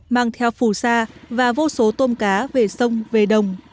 mang theo phù sa và vô số tôm cá về sông về đồng